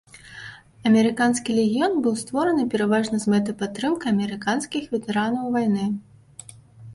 Амерыканскі легіён быў створаны пераважна з мэтай падтрымкі амерыканскіх ветэранаў вайны.